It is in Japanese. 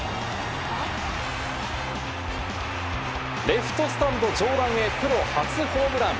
レフトスタンド上段へプロ初ホームラン。